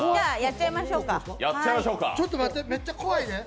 ちょっと待って、めっちゃこわいで！